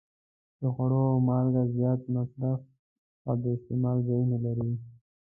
د خوړو مالګه زیات مصرف او د استعمال ځایونه لري.